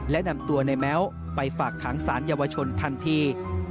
และนำตัวในแม้วไปฝากขังสารเยาวชนทันที